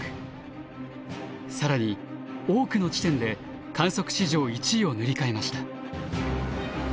更に多くの地点で観測史上１位を塗り替えました。